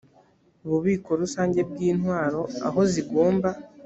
bubiko rusange bw intwaro aho zigomba